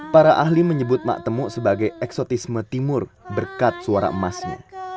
para ahli menyebut mak temuk sebagai eksotisme timur berkat suara emasnya